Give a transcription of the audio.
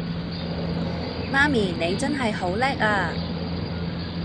媽咪你真係好叻呀